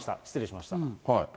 失礼しました。